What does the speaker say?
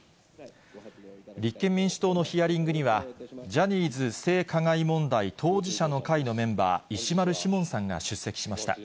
立憲民主党のヒアリングには、ジャニーズ性加害問題当事者の会のメンバー、石丸志門さんが出席しました。